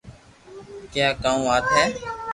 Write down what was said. ڪي ڪاو وات ھي